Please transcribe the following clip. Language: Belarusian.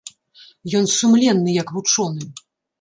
Ён сумленны як вучоны.